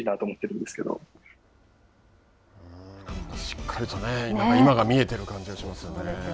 しっかりと今が見えている感じがしますよね。